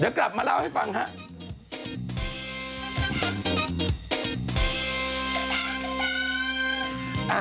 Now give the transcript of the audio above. เดี๋ยวกลับมาเล่าให้ฟังครับ